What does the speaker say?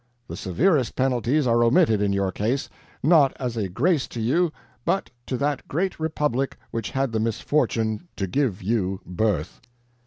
The severest penalties are omitted in your case not as a grace to you, but to that great republic which had the misfortune to give you birth."